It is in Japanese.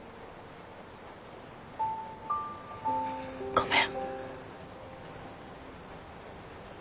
ごめん。